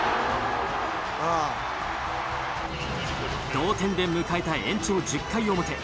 同点で迎えた延長１０回表。